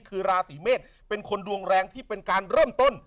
คือราศีเมษเป็นคนดวงแรงที่เป็นการเริ่มต้น